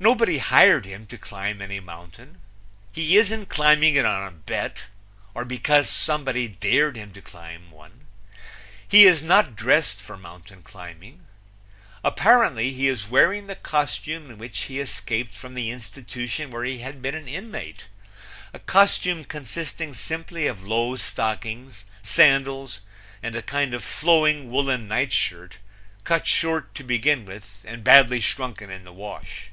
Nobody hired him to climb any mountain; he isn't climbing it on a bet or because somebody dared him to climb one. He is not dressed for mountain climbing. Apparently he is wearing the costume in which he escaped from the institution where he had been an inmate a costume consisting simply of low stockings, sandals and a kind of flowing woolen nightshirt, cut short to begin with and badly shrunken in the wash.